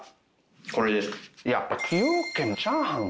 これです。